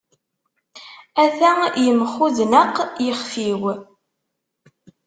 Ata yemxudneq yexef-iw.